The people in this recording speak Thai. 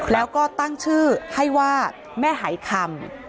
แล้วก็ตั้งชื่อให้ว่าแม่หายคำ